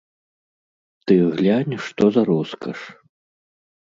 Ты глянь, што за роскаш.